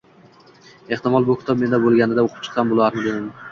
Ehtimol, bu kitob menda bo’lganida o’qib chiqqan bo’larmidim.